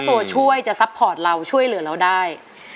ผู้ที่ไม่ได้ให้ร้องได้